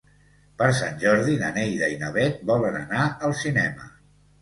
Per Sant Jordi na Neida i na Bet volen anar al cinema.